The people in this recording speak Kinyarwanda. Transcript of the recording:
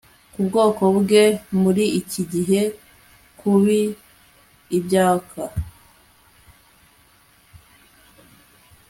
ku bwoko bwe muri iki gihe kub ibyak